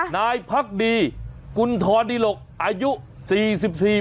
นายพรรคดีกุลทรดีหลกอายุ๔๔ปี